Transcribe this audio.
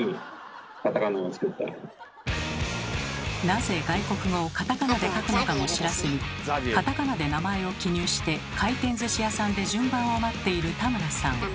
なぜ外国語をカタカナで書くのかも知らずにカタカナで名前を記入して回転ずし屋さんで順番を待っているタムラさん。